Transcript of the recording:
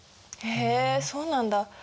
へえそうなんだ。